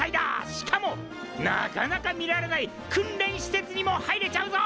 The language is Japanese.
しかもなかなか見られない訓練施設にも入れちゃうぞ！